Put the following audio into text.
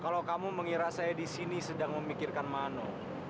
kalau kamu mengira saya disini sedang memikirkan mano